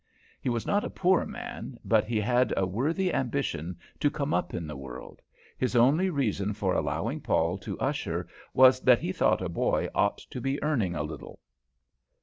He was not a poor man, but he had a worthy ambition to come up in the world. His only reason for allowing Paul to usher was that he thought a boy ought to be earning a little.